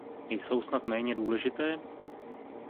Jsou snad méně důležité?